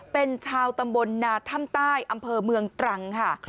เป็นชาวตำบลนาถ้ำใต้อำเภอเมืองตรังค่ะ